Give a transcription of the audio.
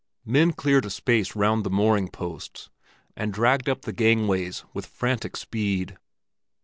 Men cleared a space round the mooring posts, and dragged up the gangways with frantic speed.